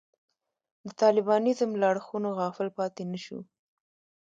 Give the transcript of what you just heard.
د طالبانیزم له اړخونو غافل پاتې نه شو.